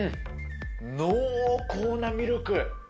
濃厚なミルク。